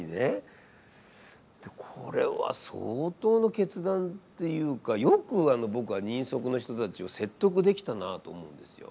これは相当の決断というかよく僕は人足の人たちを説得できたなと思うんですよ。